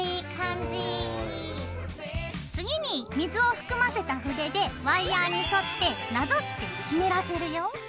次に水を含ませた筆でワイヤーに沿ってなぞって湿らせるよ。